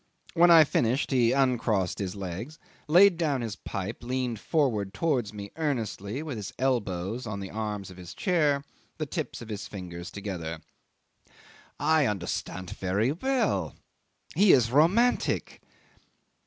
When I finished he uncrossed his legs, laid down his pipe, leaned forward towards me earnestly with his elbows on the arms of his chair, the tips of his fingers together. '"I understand very well. He is romantic."